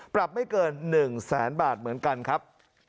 ปรับไม่เกิน๑แสนบาทเหมือนกันครับ